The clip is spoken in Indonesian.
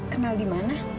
kenal di mana